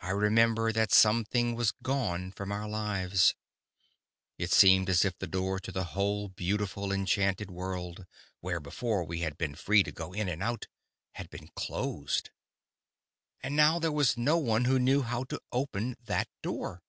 I remember that something was gone from our lives. It seemed as if the door to a whole beautiful, enchanted world—where before we had been free to go in and out—had been closed. And now there was no one who knew how to open that door.